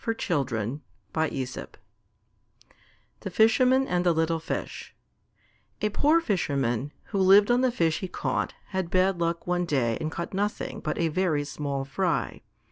_ THE FISHERMAN AND THE LITTLE FISH A poor Fisherman, who lived on the fish he caught, had bad luck one day and caught nothing but a very small fry.